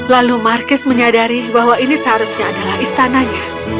lalu markis menyadari bahwa ini seharusnya adalah istananya